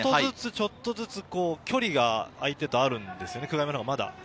ちょっとずつ距離が相手とあるんですよね、久我山のほうがまだ。